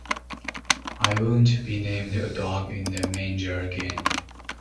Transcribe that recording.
I won’t be named a dog in the manger again.